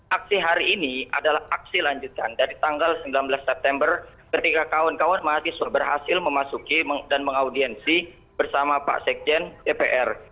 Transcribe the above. aksi hari ini adalah aksi lanjutan dari tanggal sembilan belas september ketika kawan kawan mahasiswa berhasil memasuki dan mengaudiensi bersama pak sekjen dpr